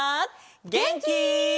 げんき？